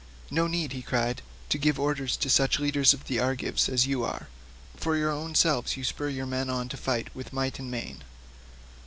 "No need," he cried, "to give orders to such leaders of the Argives as you are, for of your own selves you spur your men on to fight with might and main.